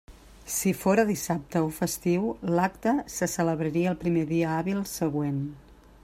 Si fóra dissabte o festiu, l'acte se celebraria el primer dia hàbil següent.